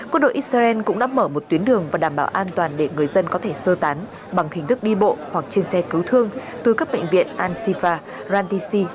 quân đội israel cũng đã mở một tuyến đường và đảm bảo an toàn để người dân có thể sơ tán bằng hình thức đi bộ hoặc trên xe cứu thương từ các bệnh viện al shifa rantisi và naseh